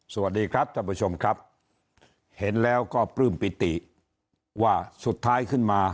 สวัสดีครับท่านผู้ชมครับเห็นแล้วก็ปลื้มปิติว่าสุดท้ายขึ้นมา